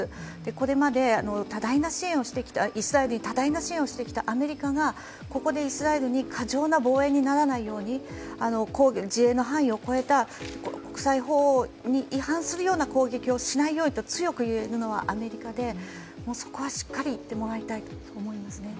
これまでイスラエルに多大な支援をしてきたアメリカがここでイスラエルに過剰な防衛にならないように自衛の範囲を超えた国際法に違反するような攻撃をしないようにと強く言えるのはアメリカで、しっかり言ってもらいたいと思いますね。